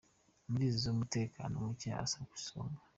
Muri izo umutekano muke uza ku isonga.